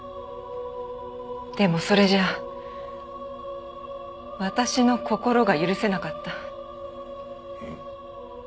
でもそれじゃ私の心が許せなかった。